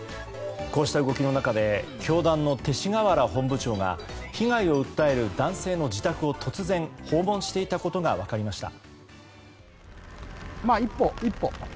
こうした動きの中で教団の勅使河原本部長が被害を訴える男性の自宅を突然、訪問していたことが分かりました。